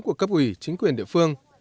của cấp ủy chính quyền địa phương